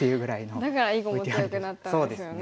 だから囲碁も強くなったんですよね。